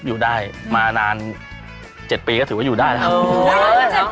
อยู่ได้มานาน๗ปีก็ถือว่าอยู่ได้แล้ว